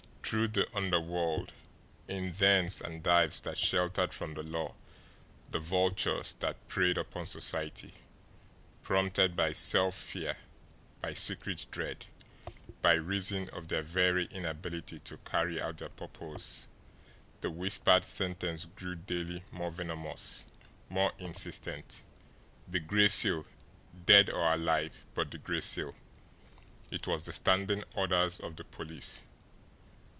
through the underworld, in dens and dives that sheltered from the law the vultures that preyed upon society, prompted by self fear, by secret dread, by reason of their very inability to carry out their purpose, the whispered sentence grew daily more venomous, more insistent. THE GRAY SEAL, DEAD OR ALIVE BUT THE GRAY SEAL!" It was the "standing orders" of the police.